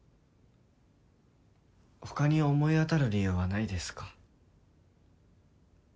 他に思い当たる理由はないですか？